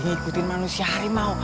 ngikutin manusia harimau